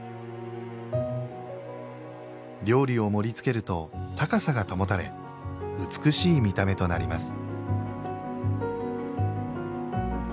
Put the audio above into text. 料理を盛り付けると高さが保たれ美しい見た目となります。